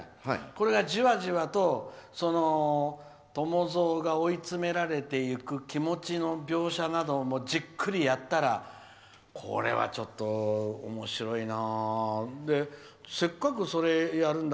これがじわじわと伴蔵が追い詰められていく気持ちの描写などもじっくりやったらこれはちょっとおもしろいな。